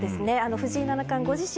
藤井七冠ご自身